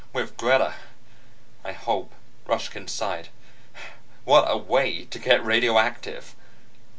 "With Greta, I hope," Ruskin sighed. "What a way to get radioactive."